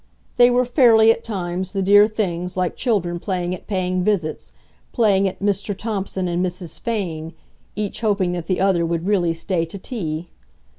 They were fairly, at times, the dear things, like children playing at paying visits, playing at "Mr. Thompson" and "Mrs. Fane," each hoping that the other would really stay to tea.